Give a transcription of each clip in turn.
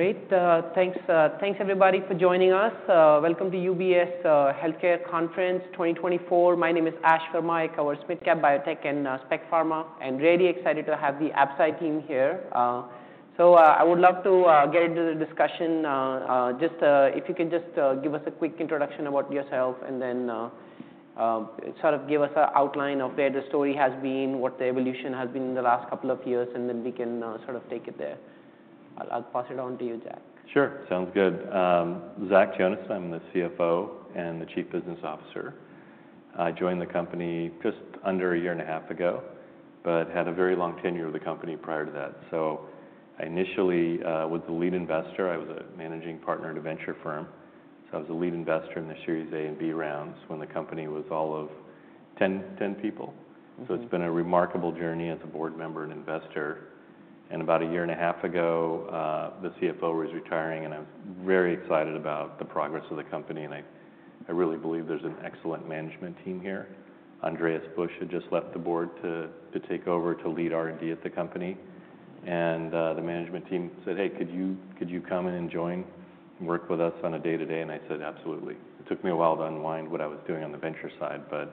Great. Thanks, thanks everybody for joining us. Welcome to UBS Healthcare Conference 2024. My name is Ash Verma. I work at SMID Cap Biotech and Spec Pharma, and I'm really excited to have the Absci team here, so I would love to get into the discussion. Just, if you can just give us a quick introduction about yourself and then sort of give us an outline of where the story has been, what the evolution has been in the last couple of years, and then we can sort of take it there. I'll, I'll pass it on to you, Zach. Sure. Sounds good. Zach Jonasson, I'm the CFO and the Chief Business Officer. I joined the company just under a year and a half ago, but had a very long tenure with the company prior to that. So I initially was the lead investor. I was a managing partner at a venture firm. So I was the lead investor in the Series A and B rounds when the company was all of 10 people. So it's been a remarkable journey as a board member and investor. And about a year and a half ago, the CFO was retiring, and I was very excited about the progress of the company. And I really believe there's an excellent management team here. Andreas Busch had just left the board to take over to lead R&D at the company. The management team said, "Hey, could you, could you come in and join and work with us on a day-to-day?" And I said, "Absolutely." It took me a while to unwind what I was doing on the venture side, but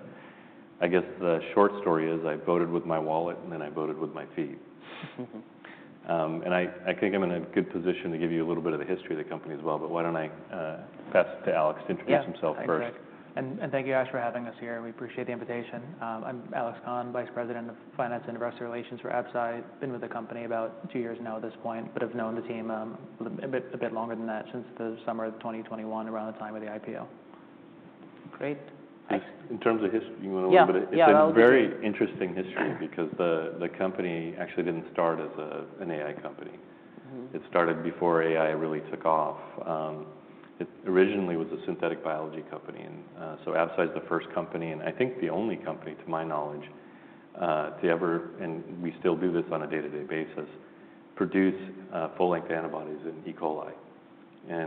I guess the short story is I voted with my wallet, and then I voted with my feet. And I think I'm in a good position to give you a little bit of the history of the company as well, but why don't I pass it to Alex to introduce himself first? Yeah, that's great. And thank you, Ash, for having us here. We appreciate the invitation. I'm Alex Khan, Vice President of Finance and Investor Relations for Absci. Been with the company about two years now at this point, but have known the team a bit longer than that since the summer of 2021, around the time of the IPO. Great. Thanks. In terms of history, you want to know a little bit? Yeah, I'll start. It's a very interesting history because the company actually didn't start as an AI company. It started before AI really took off. It originally was a synthetic biology company. Absci is the first company, and I think the only company, to my knowledge, to ever, and we still do this on a day-to-day basis, produce full-length antibodies in E. coli.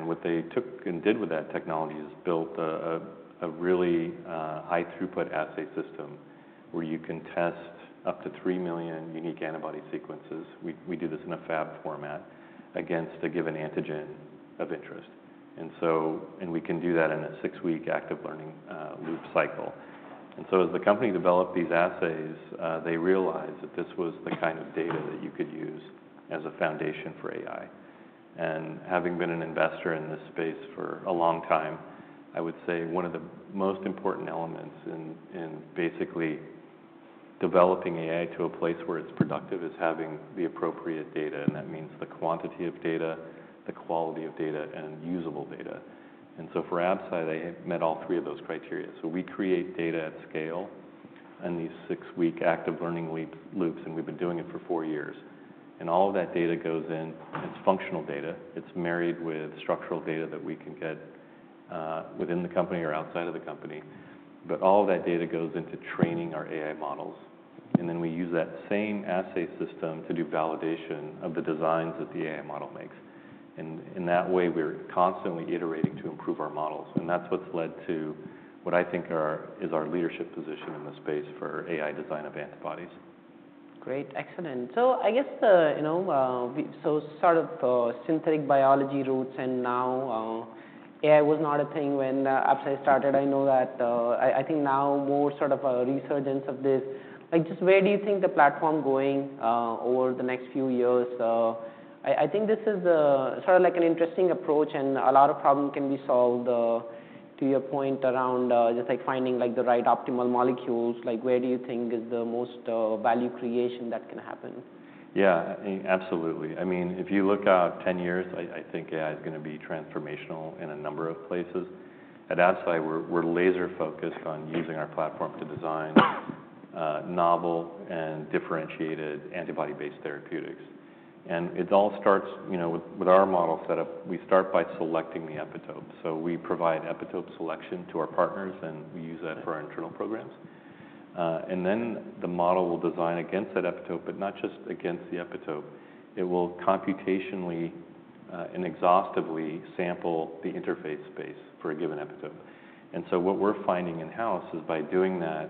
What they took and did with that technology is built a really high-throughput assay system where you can test up to three million unique antibody sequences. We do this in a Fab format against a given antigen of interest. We can do that in a six-week active learning loop cycle. As the company developed these assays, they realized that this was the kind of data that you could use as a foundation for AI. And having been an investor in this space for a long time, I would say one of the most important elements in basically developing AI to a place where it's productive is having the appropriate data. And that means the quantity of data, the quality of data, and usable data. And so, for Absci, they met all three of those criteria. So we create data at scale in these six-week active learning loops, and we've been doing it for four years. And all of that data goes in. It's functional data. It's married with structural data that we can get, within the company or outside of the company. But all of that data goes into training our AI models. And then we use that same assay system to do validation of the designs that the AI model makes. And in that way, we're constantly iterating to improve our models. And that's what's led to what I think is our leadership position in this space for AI design of antibodies. Great. Excellent. So I guess the, you know, so sort of synthetic biology roots, and now AI was not a thing when Absci started. I know that, I think now more sort of a resurgence of this. Like, just where do you think the platform is going over the next few years? I think this is a sort of like an interesting approach, and a lot of problems can be solved to your point around just like finding like the right optimal molecules, like where do you think is the most value creation that can happen? Yeah, absolutely. I mean, if you look out 10 years, I think AI is going to be transformational in a number of places. At Absci, we're laser-focused on using our platform to design novel and differentiated antibody-based therapeutics. And it all starts, you know, with our model setup. We start by selecting the epitope. So we provide epitope selection to our partners, and we use that for our internal programs. And then the model will design against that epitope, but not just against the epitope. It will computationally and exhaustively sample the interface space for a given epitope. And so what we're finding in-house is by doing that,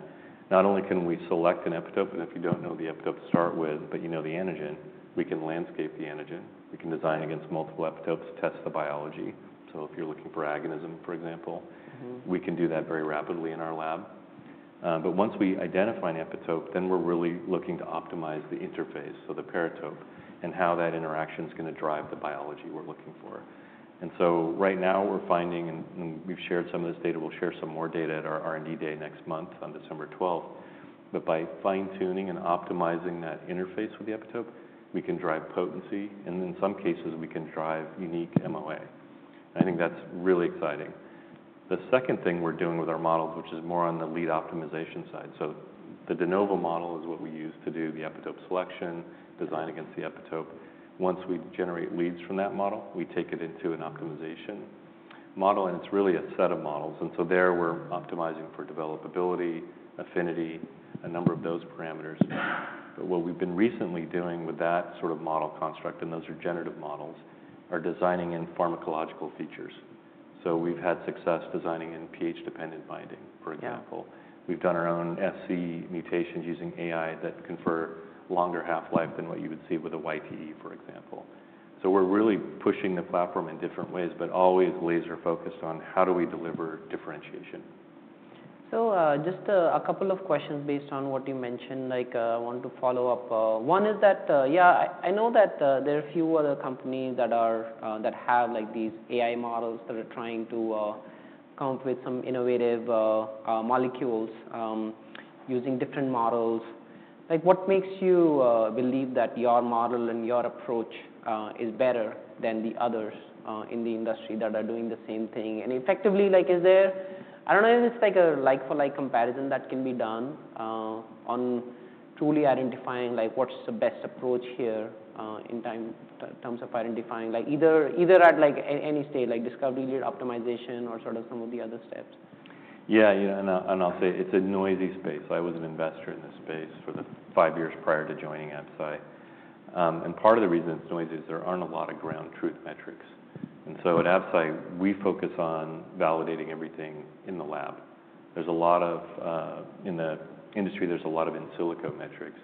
not only can we select an epitope, and if you don't know the epitope to start with, but you know the antigen, we can landscape the antigen. We can design against multiple epitopes, test the biology. So if you're looking for agonism, for example, we can do that very rapidly in our lab. But once we identify an epitope, then we're really looking to optimize the interface, so the paratope, and how that interaction is going to drive the biology we're looking for. And so right now, we're finding, and we've shared some of this data. We'll share some more data at our R&D day next month on December 12th. But by fine-tuning and optimizing that interface with the epitope, we can drive potency, and in some cases, we can drive unique MOA. I think that's really exciting. The second thing we're doing with our models, which is more on the lead optimization side. So the de novo model is what we use to do the epitope selection, design against the epitope. Once we generate leads from that model, we take it into an optimization model, and it's really a set of models, and so there, we're optimizing for developability, affinity, a number of those parameters. But what we've been recently doing with that sort of model construct, and those are generative models, are designing in pharmacological features. So we've had success designing in pH-dependent binding, for example. We've done our own Fc mutations using AI that confer longer half-life than what you would see with a YTE, for example. So we're really pushing the platform in different ways, but always laser-focused on how do we deliver differentiation. So, just a couple of questions based on what you mentioned, like, I want to follow up. One is that, yeah, I, I know that there are a few other companies that are, that have like these AI models that are trying to come up with some innovative molecules, using different models. Like, what makes you believe that your model and your approach is better than the others in the industry that are doing the same thing? And effectively, like, is there, I don't know if it's like a like-for-like comparison that can be done on truly identifying like what's the best approach here, in time terms of identifying, like either, either at like any stage, like discovery lead optimization or sort of some of the other steps? Yeah, you know, and I'll, and I'll say it's a noisy space. I was an investor in this space for the five years prior to joining Absci, and part of the reason it's noisy is there aren't a lot of ground truth metrics. And so at Absci, we focus on validating everything in the lab. There's a lot of, in the industry, there's a lot of in silico metrics.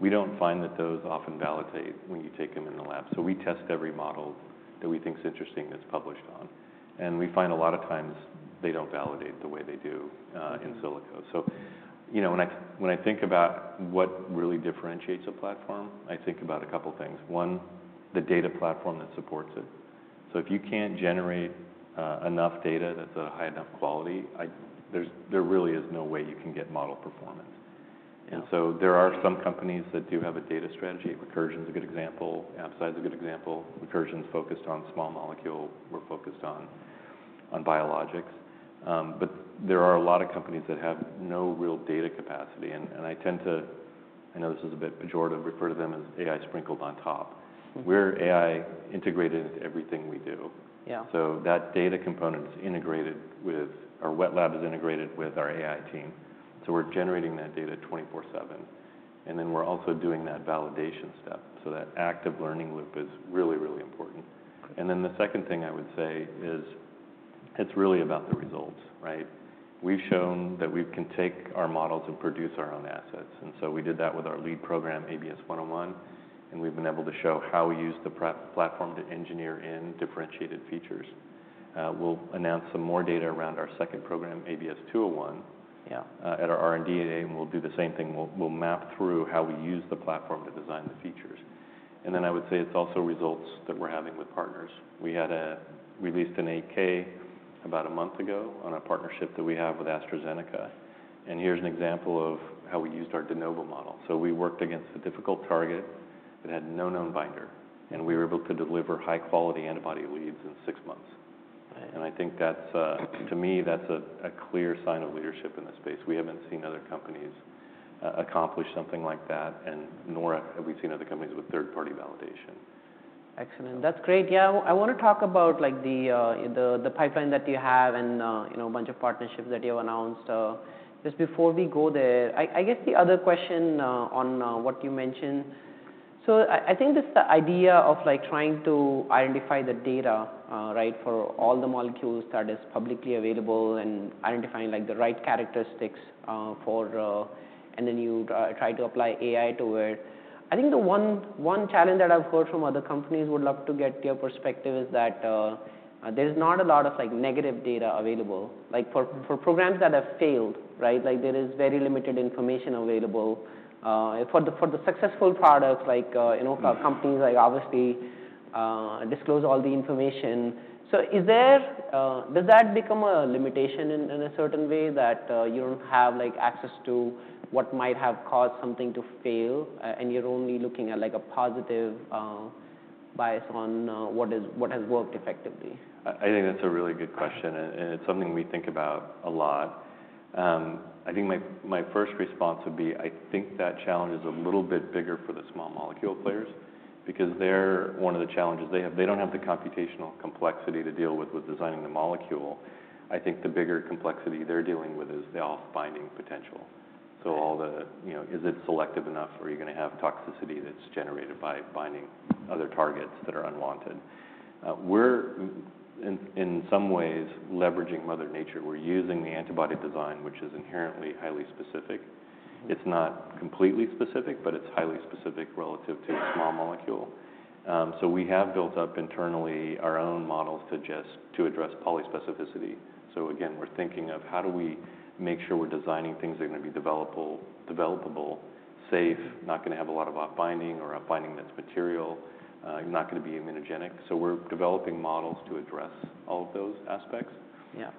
We don't find that those often validate when you take them in the lab, so we test every model that we think is interesting that's published on, and we find a lot of times they don't validate the way they do, in silico. So, you know, when I, when I think about what really differentiates a platform, I think about a couple of things. One, the data platform that supports it. So if you can't generate enough data that's a high enough quality, there really is no way you can get model performance. And so there are some companies that do have a data strategy. Recursion is a good example. Absci is a good example. Recursion is focused on small molecule. We're focused on biologics. But there are a lot of companies that have no real data capacity. And I tend to, I know this is a bit pejorative, refer to them as AI sprinkled on top. We're AI integrated into everything we do. Yeah. So that data component is integrated with our wet lab, is integrated with our AI team. So we're generating that data 24/7. And then we're also doing that validation step. So that active learning loop is really, really important. And then the second thing I would say is it's really about the results, right? We've shown that we can take our models and produce our own assets. And so we did that with our lead program, ABS-101, and we've been able to show how we use the platform to engineer in differentiated features. We'll announce some more data around our second program, ABS-201. Yeah. At our R&D day, and we'll do the same thing. We'll map through how we use the platform to design the features. And then I would say it's also results that we're having with partners. We released an 8K about a month ago on a partnership that we have with AstraZeneca. And here's an example of how we used our de novo model. So we worked against a difficult target that had no known binder, and we were able to deliver high-quality antibody leads in six months. And I think that's, to me, a clear sign of leadership in this space. We haven't seen other companies accomplish something like that, and nor have we seen other companies with third-party validation. Excellent. That's great. Yeah, I want to talk about like the pipeline that you have and, you know, a bunch of partnerships that you have announced. Just before we go there, I guess the other question on what you mentioned—so I think this is the idea of like trying to identify the data, right, for all the molecules that are publicly available and identifying like the right characteristics for, and then you try to apply AI to it. I think the one challenge that I've heard from other companies would love to get your perspective is that, there's not a lot of like negative data available. Like for programs that have failed, right, like there is very limited information available, for the successful products, like, you know, companies like obviously disclose all the information. So, does that become a limitation in a certain way that you don't have like access to what might have caused something to fail, and you're only looking at like a positive bias on what has worked effectively? I think that's a really good question, and it's something we think about a lot. I think my first response would be I think that challenge is a little bit bigger for the small molecule players because they're. One of the challenges they have, they don't have the computational complexity to deal with designing the molecule. I think the bigger complexity they're dealing with is the off-binding potential. So, you know, is it selective enough? Are you going to have toxicity that's generated by binding other targets that are unwanted? We're in some ways leveraging Mother Nature. We're using the antibody design, which is inherently highly specific. It's not completely specific, but it's highly specific relative to a small molecule. So we have built up internally our own models to just address polyspecificity. So again, we're thinking of how do we make sure we're designing things that are going to be developable, safe, not going to have a lot of off-binding that's material, not going to be immunogenic. So we're developing models to address all of those aspects. Yeah.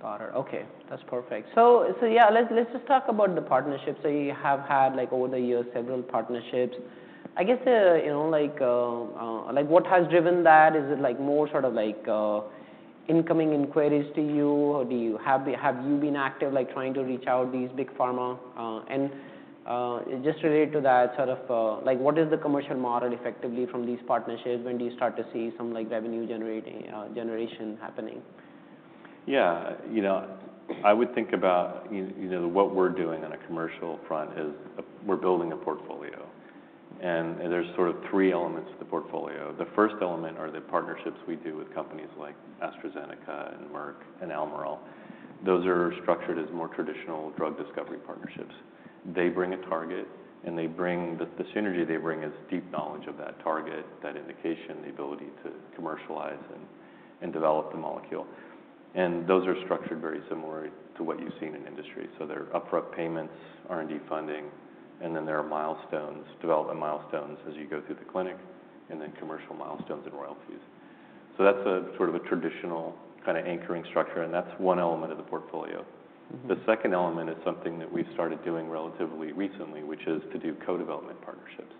Got it. Okay. That's perfect. So yeah, let's just talk about the partnership. So you have had like over the years several partnerships. I guess, you know, like what has driven that? Is it like more sort of like incoming inquiries to you, or have you been active like trying to reach out these big pharma? And just related to that, sort of like what is the commercial model effectively from these partnerships? When do you start to see some like revenue generation happening? Yeah, you know, I would think about, you know, what we're doing on a commercial front is we're building a portfolio, and there's sort of three elements to the portfolio. The first element are the partnerships we do with companies like AstraZeneca and Merck and Almirall. Those are structured as more traditional drug discovery partnerships. They bring a target, and they bring the synergy they bring is deep knowledge of that target, that indication, the ability to commercialize and develop the molecule, and those are structured very similar to what you've seen in industry, so there are upfront payments, R&D funding, and then there are milestones, development milestones as you go through the clinic, and then commercial milestones and royalties, so that's a sort of a traditional kind of anchoring structure, and that's one element of the portfolio. The second element is something that we've started doing relatively recently, which is to do co-development partnerships.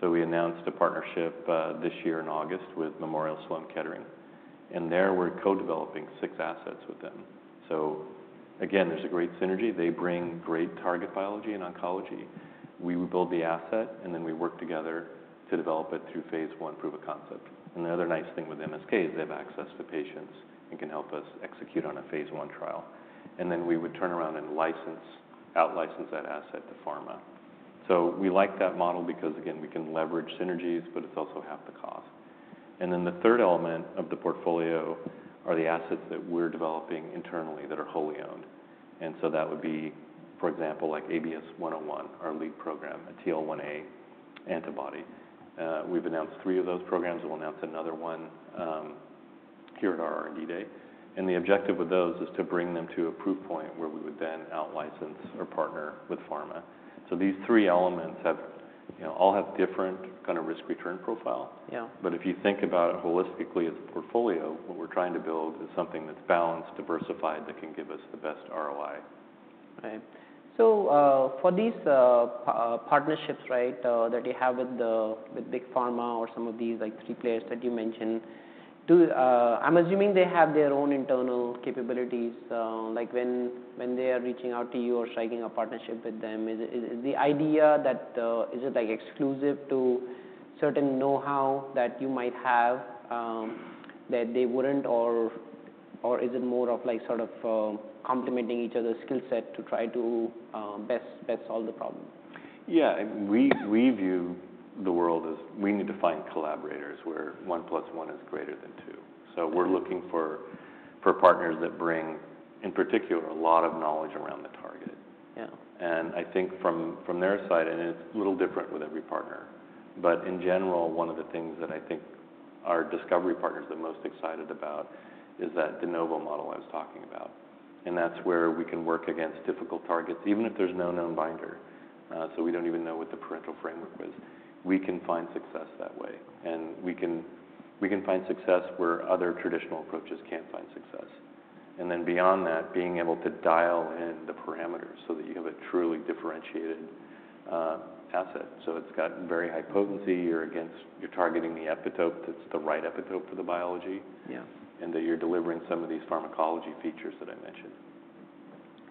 So we announced a partnership this year in August with Memorial Sloan Kettering. And there we're co-developing six assets with them. So again, there's a great synergy. They bring great target biology and oncology. We would build the asset, and then we work together to develop it through phase one, prove a concept. And the other nice thing with MSK is they have access to patients and can help us execute on a phase one trial. And then we would turn around and license, out-license that asset to pharma. So we like that model because, again, we can leverage synergies, but it's also half the cost. And then the third element of the portfolio are the assets that we're developing internally that are wholly owned. That would be, for example, like ABS-101, our lead program, a TL1A antibody. We've announced three of those programs. We'll announce another one here at our R&D day. The objective with those is to bring them to a proof point where we would then out-license or partner with pharma. These three elements have, you know, all have different kind of risk-return profile. Yeah. But if you think about it holistically as a portfolio, what we're trying to build is something that's balanced, diversified, that can give us the best ROI. Right. So, for these partnerships, right, that you have with the big pharma or some of these like three players that you mentioned, I'm assuming they have their own internal capabilities, like when they are reaching out to you or striking a partnership with them, is it the idea that it's like exclusive to certain know-how that you might have, that they wouldn't, or is it more of like sort of complementing each other's skill set to try to best solve the problem? Yeah, we view the world as we need to find collaborators where one plus one is greater than two. So we're looking for partners that bring, in particular, a lot of knowledge around the target. Yeah. I think from their side, and it's a little different with every partner, but in general, one of the things that I think our discovery partners are the most excited about is that de novo model I was talking about. That's where we can work against difficult targets, even if there's no known binder. So we don't even know what the parental framework was. We can find success that way. We can find success where other traditional approaches can't find success. Then beyond that, being able to dial in the parameters so that you have a truly differentiated asset. It's got very high potency. You're targeting the epitope that's the right epitope for the biology. Yeah. That you're delivering some of these pharmacology features that I mentioned.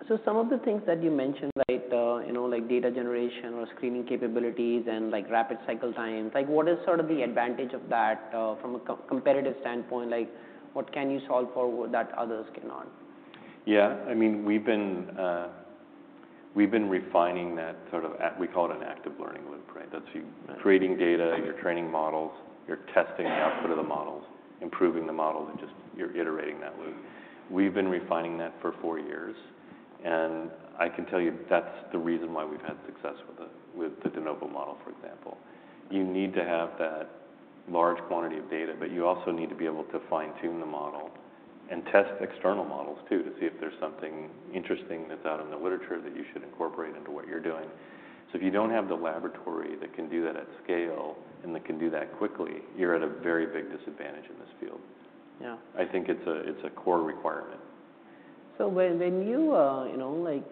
So some of the things that you mentioned, like, you know, like data generation or screening capabilities and like rapid cycle times, like what is sort of the advantage of that, from a competitive standpoint? Like what can you solve for that others cannot? Yeah, I mean, we've been refining that sort of. We call it an active learning loop, right? That's you creating data, you're training models, you're testing the output of the models, improving the models, and just you're iterating that loop. We've been refining that for four years. I can tell you that's the reason why we've had success with the de novo model, for example. You need to have that large quantity of data, but you also need to be able to fine-tune the model and test external models too to see if there's something interesting that's out in the literature that you should incorporate into what you're doing. So if you don't have the laboratory that can do that at scale and that can do that quickly, you're at a very big disadvantage in this field. Yeah. I think it's a core requirement. So when you, you know, like,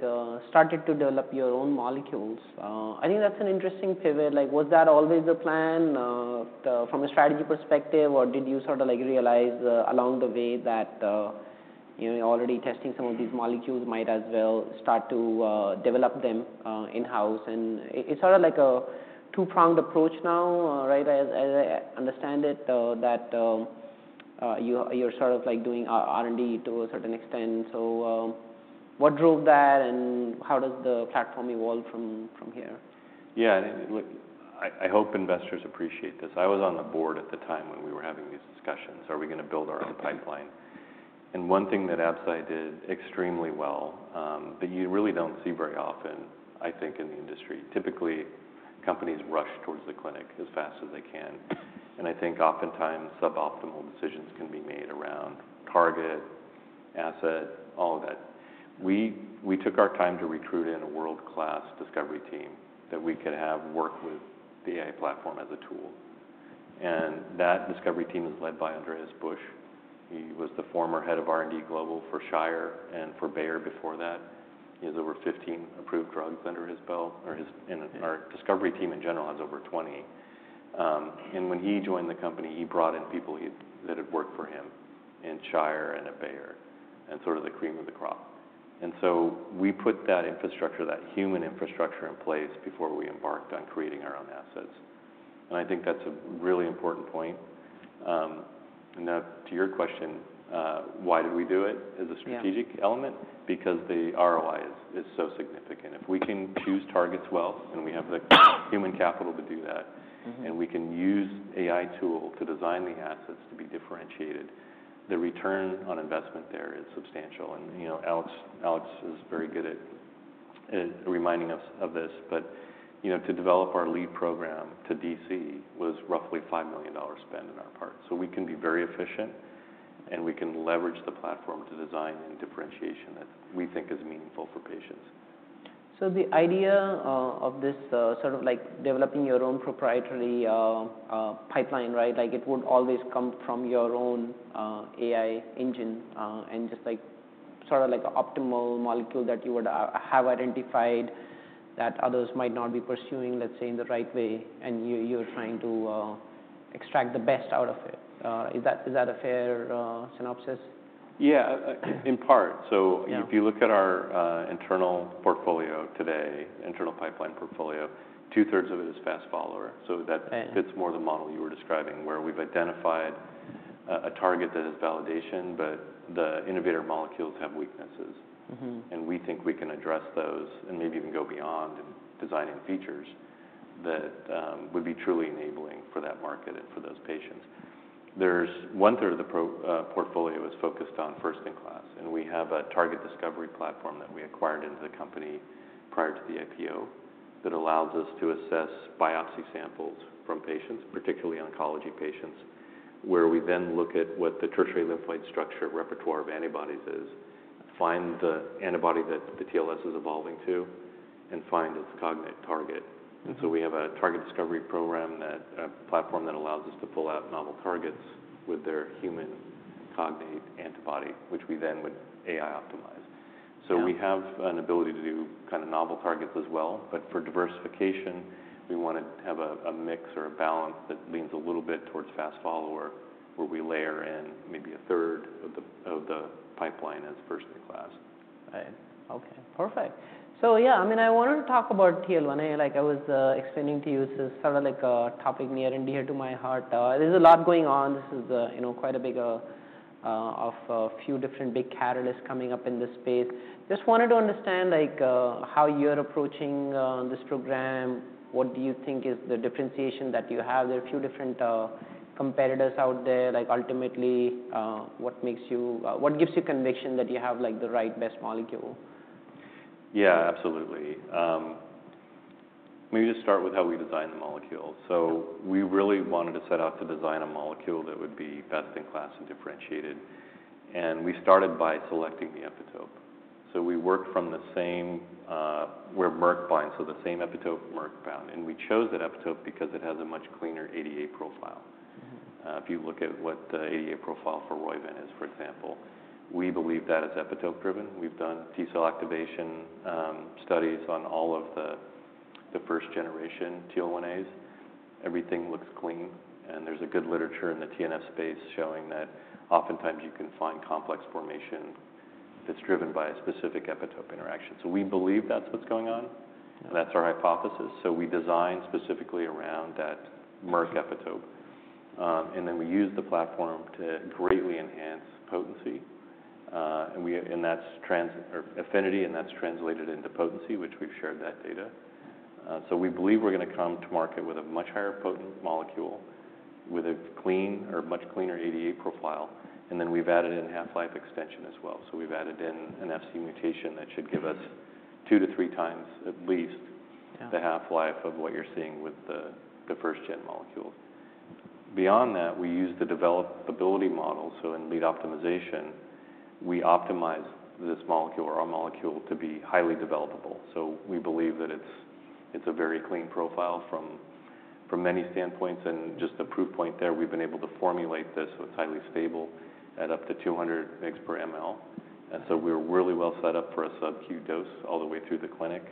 started to develop your own molecules, I think that's an interesting pivot. Like was that always the plan, from a strategy perspective, or did you sort of like realize, along the way that, you know, already testing some of these molecules might as well start to develop them, in-house? And it's sort of like a two-pronged approach now, right? As I understand it, that you're sort of like doing R&D to a certain extent. So, what drove that, and how does the platform evolve from here? Yeah, I think, look, I hope investors appreciate this. I was on the board at the time when we were having these discussions. Are we going to build our own pipeline? One thing that Absci did extremely well, that you really don't see very often, I think, in the industry. Typically, companies rush towards the clinic as fast as they can. I think oftentimes suboptimal decisions can be made around target, asset, all of that. We took our time to recruit a world-class discovery team that we could have work with the AI platform as a tool. That discovery team is led by Andreas Busch. He was the former head of R&D Global for Shire and for Bayer before that. He has over 15 approved drugs under his belt, and our discovery team in general has over 20. And when he joined the company, he brought in people that had worked for him in Shire and at Bayer and sort of the cream of the crop. And so we put that infrastructure, that human infrastructure in place before we embarked on creating our own assets. And I think that's a really important point. And now to your question, why did we do it as a strategic element? Yeah. Because the ROI is so significant. If we can choose targets well and we have the human capital to do that, and we can use AI tools to design the assets to be differentiated, the return on investment there is substantial, and you know, Alex is very good at reminding us of this, but you know, to develop our lead program to DC was roughly $5 million spend on our part, so we can be very efficient, and we can leverage the platform to design and differentiation that we think is meaningful for patients. So the idea of this, sort of like developing your own proprietary pipeline, right? Like it would always come from your own AI engine, and just like sort of like an optimal molecule that you would have identified that others might not be pursuing, let's say, in the right way, and you, you're trying to extract the best out of it. Is that a fair synopsis? Yeah, in part. So if you look at our internal portfolio today, internal pipeline portfolio, two-thirds of it is fast follower. So that fits more the model you were describing where we've identified a target that has validation, but the innovator molecules have weaknesses. Mm-hmm. We think we can address those and maybe even go beyond designing features that would be truly enabling for that market and for those patients. There's one-third of our portfolio is focused on first-in-class. We have a target discovery platform that we acquired into the company prior to the IPO that allows us to assess biopsy samples from patients, particularly oncology patients, where we then look at what the tertiary lymphoid structure repertoire of antibodies is, find the antibody that the TLS is evolving to, and find its cognate target. So we have a target discovery program, platform that allows us to pull out novel targets with their human cognate antibody, which we then would AI optimize. We have an ability to do kind of novel targets as well, but for diversification, we want to have a mix or a balance that leans a little bit towards fast follower where we layer in maybe a third of the pipeline as first-in-class. Right. Okay. Perfect. So yeah, I mean, I wanted to talk about TL1A. Like I was explaining to you, this is sort of like a topic near and dear to my heart. There's a lot going on. This is the, you know, quite a big, of a few different big catalysts coming up in this space. Just wanted to understand like how you're approaching this program. What do you think is the differentiation that you have? There are a few different competitors out there. Like ultimately, what makes you, what gives you conviction that you have like the right best molecule? Yeah, absolutely. Maybe just start with how we design the molecule. So we really wanted to set out to design a molecule that would be best in class and differentiated. And we started by selecting the epitope. So we worked from the same, where Merck binds, so the same epitope Merck bound. And we chose that epitope because it has a much cleaner ADA profile. If you look at what the ADA profile for Roivant is, for example, we believe that is epitope-driven. We've done T-cell activation studies on all of the first-generation TL1As. Everything looks clean. And there's a good literature in the TNF space showing that oftentimes you can find complex formation that's driven by a specific epitope interaction. So we believe that's what's going on. That's our hypothesis. So we designed specifically around that Merck epitope. And then we use the platform to greatly enhance potency. And that's translates to affinity, and that's translated into potency, which we've shared that data. We believe we're going to come to market with a much higher potent molecule with a clean or much cleaner ADA profile. Then we've added in half-life extension as well. We've added in an Fc mutation that should give us two to three times at least the half-life of what you're seeing with the first-gen molecules. Beyond that, we use the developability model. In lead optimization, we optimize this molecule or our molecule to be highly developable. We believe that it's a very clean profile from many standpoints. Just the proof point there, we've been able to formulate this. It's highly stable at up to 200 mg per ml. And so we're really well set up for a sub-Q dose all the way through the clinic.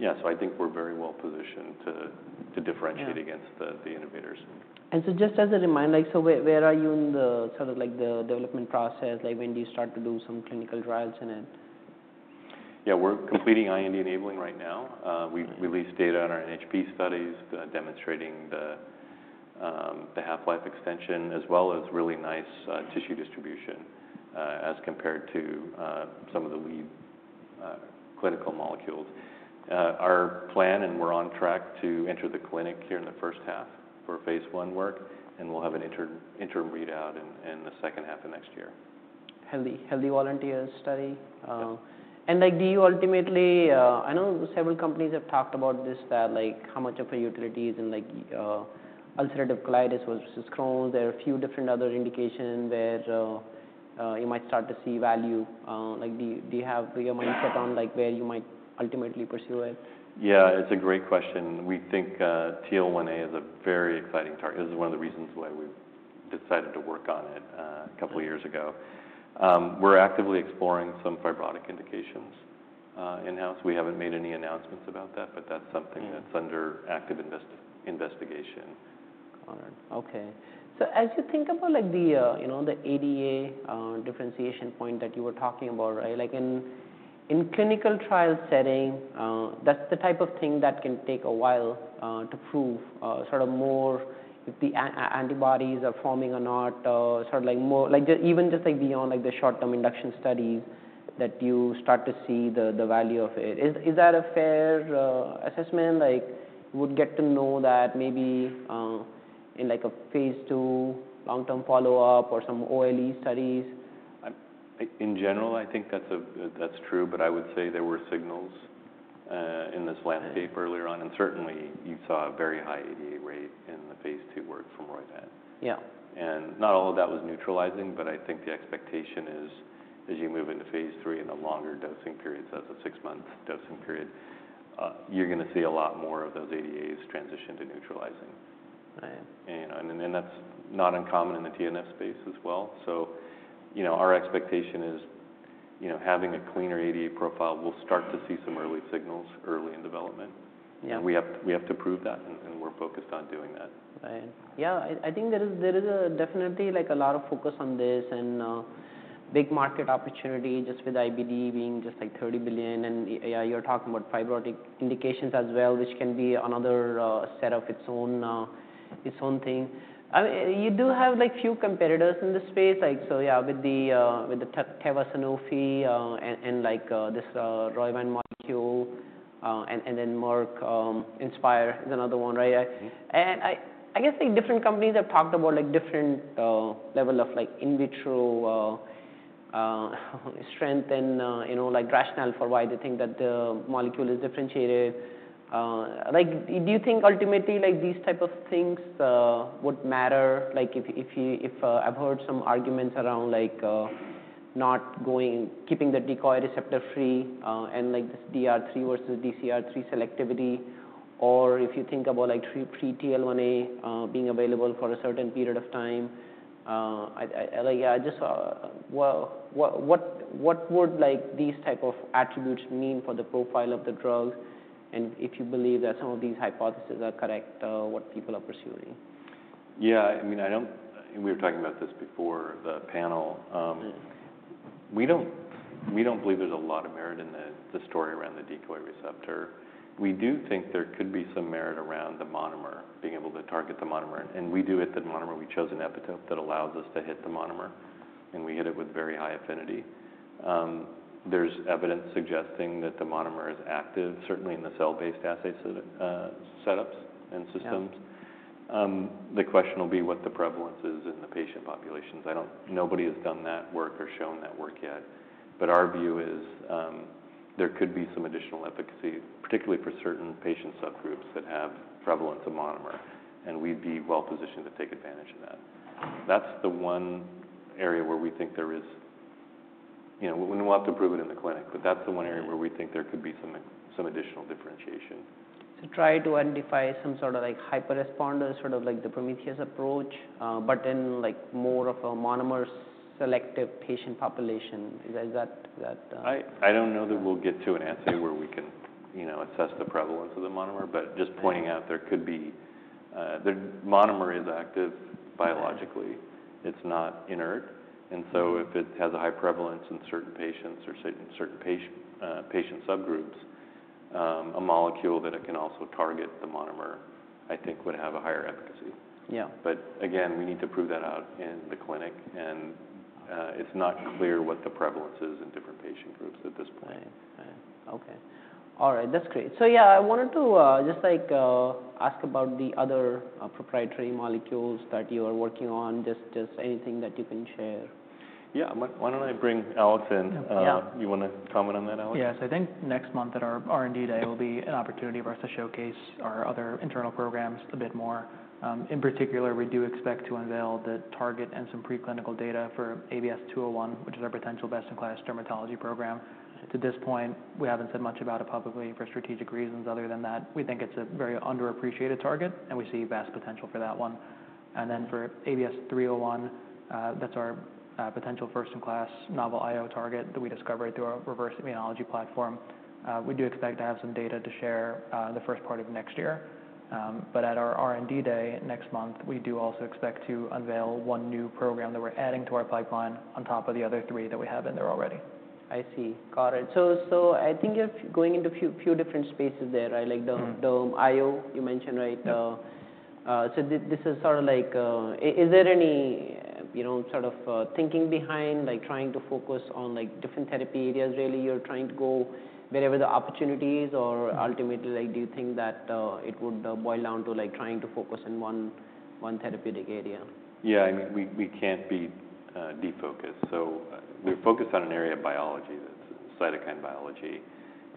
Yeah, so I think we're very well positioned to differentiate against the innovators. And so just as a reminder, like so where are you in the sort of like the development process? Like when do you start to do some clinical trials in it? Yeah, we're completing IND enabling right now. We've released data on our NHP studies demonstrating the half-life extension as well as really nice tissue distribution, as compared to some of the lead clinical molecules. Our plan, and we're on track to enter the clinic here in the first half for phase one work, and we'll have an interim readout in the second half of next year. Healthy volunteers study. And like, do you ultimately? I know several companies have talked about this, that like how much of a utility is in, like, ulcerative colitis versus Crohn's? There are a few different other indications where you might start to see value. Like, do you have your mindset on like where you might ultimately pursue it? Yeah, it's a great question. We think, TL1A is a very exciting target. This is one of the reasons why we decided to work on it, a couple of years ago. We're actively exploring some fibrotic indications, in-house. We haven't made any announcements about that, but that's something that's under active investigation. Okay. So as you think about like the, you know, the ADA differentiation point that you were talking about, right? Like in, in clinical trial setting, that's the type of thing that can take a while to prove, sort of more if the antibodies are forming or not, sort of like more, like just even just like beyond like the short-term induction studies that you start to see the value of it. Is that a fair assessment? Like would get to know that maybe, in like a phase two long-term follow-up or some OLE studies? In general, I think that's true, but I would say there were signals in this landscape earlier on, and certainly you saw a very high ADA rate in the phase two work from Roivant. Yeah. Not all of that was neutralizing, but I think the expectation is, as you move into phase three and the longer dosing periods, that's a six-month dosing period, you're going to see a lot more of those 88s transition to neutralizing. Right. You know, and then that's not uncommon in the TNF space as well. So, you know, our expectation is, you know, having a cleaner ADA profile, we'll start to see some early signals early in development. Yeah. We have to prove that, and we're focused on doing that. Right. Yeah, I think there is definitely a lot of focus on this and big market opportunity just with IBD being just like $30 billion. Yeah, you're talking about fibrotic indications as well, which can be another set of its own thing. I mean, you do have like a few competitors in this space. Like so yeah, with the Teva, Sanofi, and like this Roivant molecule, and then Merck, INSPIRE is another one, right? And I guess like different companies have talked about like different level of like in vitro strength and, you know, like rationale for why they think that the molecule is differentiated. Like do you think ultimately like these type of things would matter? Like if you've heard some arguments around like not going, keeping the decoy receptor free, and like this DR3 versus DcR3 selectivity or if you think about like free TL1A being available for a certain period of time. I like yeah, I just well, what would like these type of attributes mean for the profile of the drug and if you believe that some of these hypotheses are correct, what people are pursuing. Yeah, I mean, I don't, we were talking about this before the panel. We don't, we don't believe there's a lot of merit in the, the story around the decoy receptor. We do think there could be some merit around the monomer being able to target the monomer. And we do hit the monomer, we chose an epitope that allows us to hit the monomer, and we hit it with very high affinity. There's evidence suggesting that the monomer is active, certainly in the cell-based assays, setups and systems. The question will be what the prevalence is in the patient populations. I don't, nobody has done that work or shown that work yet. But our view is, there could be some additional efficacy, particularly for certain patient subgroups that have prevalence of monomer, and we'd be well positioned to take advantage of that. That's the one area where we think there is, you know, we'll have to prove it in the clinic, but that's the one area where we think there could be some, some additional differentiation. Try to identify some sort of like hyper-responder, sort of like the Prometheus approach, but in like more of a monomer selective patient population. Is that? I don't know that we'll get to an answer where we can, you know, assess the prevalence of the monomer, but just pointing out there could be. The monomer is active biologically. It's not inert. And so if it has a high prevalence in certain patients or certain patient subgroups, a molecule that it can also target the monomer, I think would have a higher efficacy. Yeah. But again, we need to prove that out in the clinic. And, it's not clear what the prevalence is in different patient groups at this point. Right. Okay. All right. That's great. So yeah, I wanted to just like ask about the other proprietary molecules that you are working on. Just anything that you can share? Yeah, why, why don't I bring Alex in? You want to comment on that, Alex? Yeah. So I think next month at our R&D day will be an opportunity for us to showcase our other internal programs a bit more. In particular, we do expect to unveil the target and some preclinical data for ABS-201, which is our potential best-in-class dermatology program. To this point, we haven't said much about it publicly for strategic reasons. Other than that, we think it's a very underappreciated target, and we see vast potential for that one. And then for ABS-301, that's our potential first-in-class novel IO target that we discovered through our Reverse Immunology platform. We do expect to have some data to share, the first part of next year. But at our R&D day next month, we do also expect to unveil one new program that we're adding to our pipeline on top of the other three that we have in there already. I see. Got it. So, I think you're going into a few different spaces there, right? Like the IO you mentioned, right? So this is sort of like, is there any, you know, sort of, thinking behind like trying to focus on like different therapy areas? Really, you're trying to go wherever the opportunity is or ultimately, like, do you think that, it would boil down to like trying to focus in one therapeutic area? Yeah, I mean, we can't be defocused, so we're focused on an area of biology that's cytokine biology,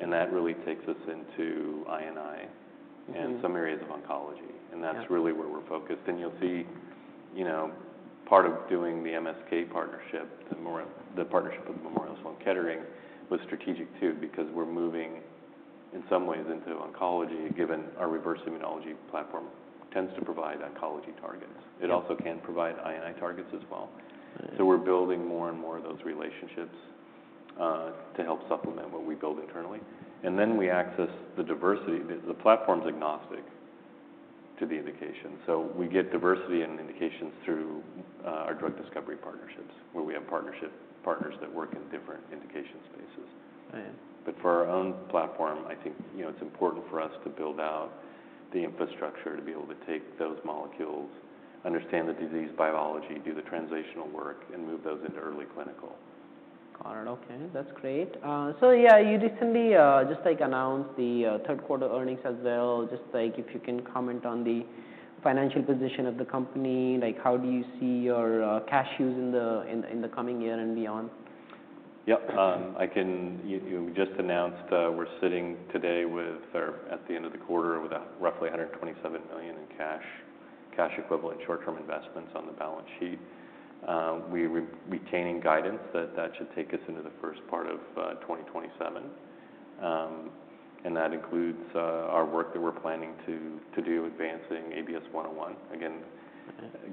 and that really takes us into I&I and some areas of oncology. That's really where we're focused. You'll see, you know, part of doing the MSK partnership. The partnership with Memorial Sloan Kettering was strategic too because we're moving in some ways into oncology given our Reverse Immunology platform tends to provide oncology targets. It also can provide I&I targets as well. We're building more and more of those relationships to help supplement what we build internally, and then we access the diversity. The platform's agnostic to the indication, so we get diversity in indications through our drug discovery partnerships where we have partnership partners that work in different indication spaces. Right. But for our own platform, I think, you know, it's important for us to build out the infrastructure to be able to take those molecules, understand the disease biology, do the translational work, and move those into early clinical. Got it. Okay. That's great. So yeah, you recently just like announced the third quarter earnings as well. Just like if you can comment on the financial position of the company, like how do you see your cash use in the coming year and beyond? Yep. I can. You just announced we're sitting today with, or at the end of the quarter, with roughly $127 million in cash, cash equivalents, short-term investments on the balance sheet. We're retaining guidance that that should take us into the first part of 2027. And that includes our work that we're planning to do advancing ABS 101. Again,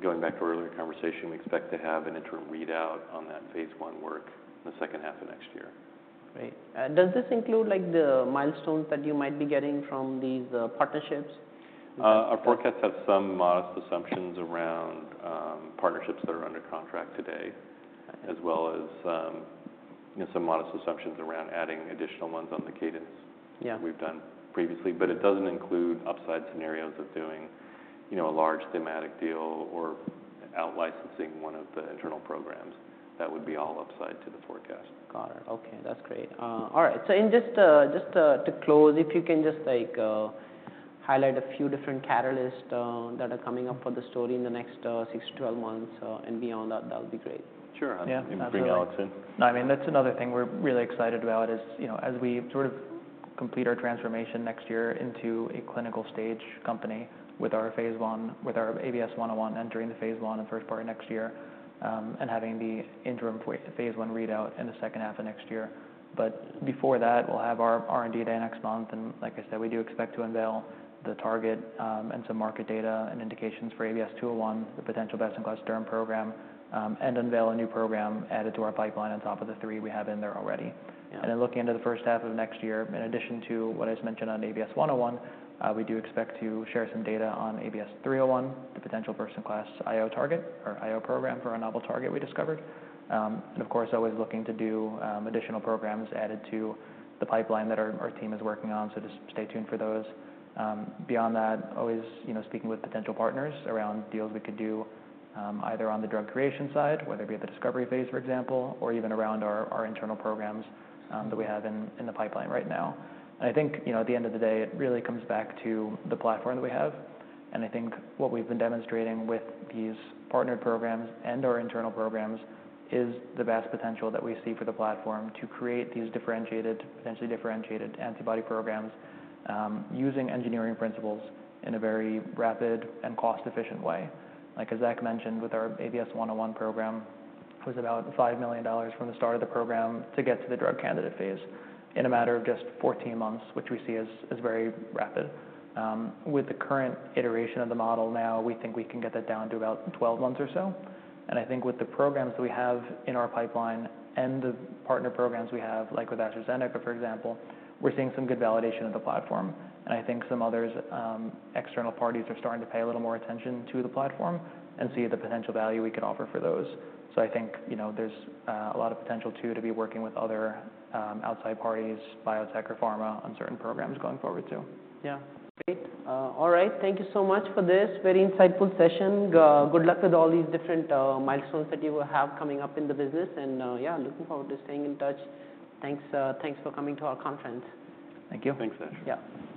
going back to earlier conversation, we expect to have an interim readout on that phase one work in the second half of next year. Great. Does this include like the milestones that you might be getting from these partnerships? Our forecasts have some modest assumptions around partnerships that are under contract today, as well as, you know, some modest assumptions around adding additional ones on the cadence. Yeah. We've done previously, but it doesn't include upside scenarios of doing, you know, a large thematic deal or outlicensing one of the internal programs. That would be all upside to the forecast. Got it. Okay. That's great. All right. So in just to close, if you can just like highlight a few different catalysts that are coming up for the story in the next six to 12 months, and beyond that, that'll be great. Sure. I'll bring Alex in. No, I mean, that's another thing we're really excited about is, you know, as we sort of complete our transformation next year into a clinical stage company with our phase one, with our ABS-101 entering the phase one in the first part of next year, and having the interim phase one readout in the second half of next year, but before that, we'll have our R&D day next month, and like I said, we do expect to unveil the target, and some market data and indications for ABS-201, the potential best-in-class derm program, and unveil a new program added to our pipeline on top of the three we have in there already. And then looking into the first half of next year, in addition to what I just mentioned on ABS-101, we do expect to share some data on ABS-301, the potential first-in-class IO target or IO program for a novel target we discovered. And of course, always looking to do additional programs added to the pipeline that our team is working on. So just stay tuned for those. Beyond that, always, you know, speaking with potential partners around deals we could do, either on the drug creation side, whether it be at the discovery phase, for example, or even around our internal programs that we have in the pipeline right now. And I think, you know, at the end of the day, it really comes back to the platform that we have. And I think what we've been demonstrating with these partnered programs and our internal programs is the vast potential that we see for the platform to create these differentiated, potentially differentiated antibody programs, using engineering principles in a very rapid and cost-efficient way. Like as Zach mentioned, with our ABS-101 program, it was about $5 million from the start of the program to get to the drug candidate phase in a matter of just 14 months, which we see as very rapid. With the current iteration of the model now, we think we can get that down to about 12 months or so. And I think with the programs that we have in our pipeline and the partner programs we have, like with AstraZeneca, for example, we're seeing some good validation of the platform. I think some others, external parties are starting to pay a little more attention to the platform and see the potential value we can offer for those. So I think, you know, there's a lot of potential too, to be working with other outside parties, biotech or pharma, on certain programs going forward too. Yeah. Great. All right. Thank you so much for this very insightful session. Good luck with all these different milestones that you will have coming up in the business. And yeah, looking forward to staying in touch. Thanks, thanks for coming to our conference. Thank you. Thanks, Ash. Yeah.